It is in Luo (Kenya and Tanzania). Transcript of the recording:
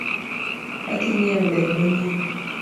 Adhii nyieo gari manyien